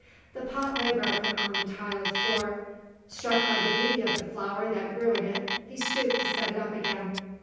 The pot lay broken on the tiled floor. Struck by the beauty of the flower that grew in it, he stooped to set it up again.